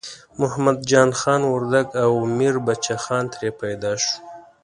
محمد جان خان وردګ او میربچه خان ترې پیدا شو.